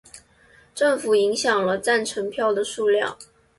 政府影响了赞成票的数量。